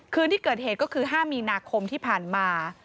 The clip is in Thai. คืนที่เกิดเหตุก็คือ๕มีนาคมที่ผ่านมา